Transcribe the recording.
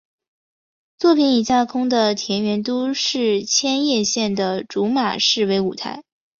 作品以架空的田园都市千叶县的竹马市为舞台。